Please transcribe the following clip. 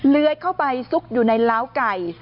เลื้อยเข้าไปซุกอยู่ในล้าวไก่